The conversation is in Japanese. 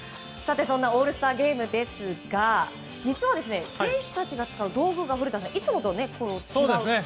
そんなオールスターゲームですが実は、選手たちが使う道具がいつもと違うと。